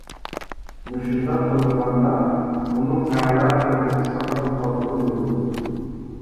مۇشۇنداق قىلغاندا ئۇنىڭ ئەلا تەرىپىنى ساقلاپ قالغىلى بولىدۇ.